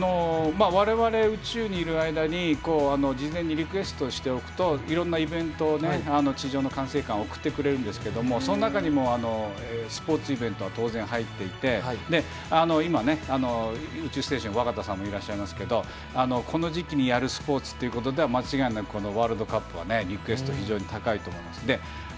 我々、宇宙にいる間に事前にリクエストしておくといろいろなイベントを地上の管制官が送ってくれるんですけどもその中にもスポーツイベントは当然入っていて今、宇宙ステーションに若田さんもいらっしゃいますけどこの時期にやるスポーツということで間違いなくワールドカップが、リクエストが非常に高いと思います。